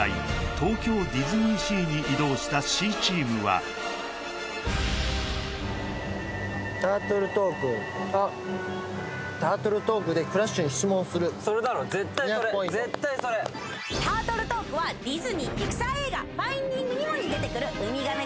東京ディズニーシーに移動したＣチームはタートル・トークあっタートル・トークでクラッシュに質問するそれだろ絶対それ絶対それ２００ポイントタートル・トークはディズニー＆ピクサー映画ファインディング・ニモに出てくるウミガメ